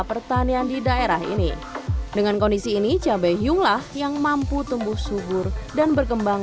pertanian di daerah ini dengan kondisi ini cabai hiung lah yang mampu tumbuh subur dan berkembang